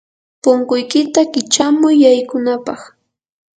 punkuykiyta kichamuy yaykunapaq.